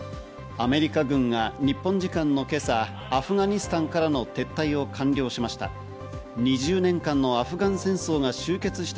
アメリカ軍が日本時間の今朝、アフガニスタンからの撤退を完了しました。